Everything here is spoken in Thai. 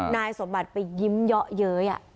นายสมบัติไปยิ้มเยาะเย้ย